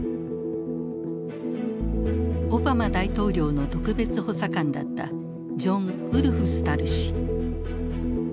オバマ大統領の特別補佐官だったジョン・ウルフスタル氏。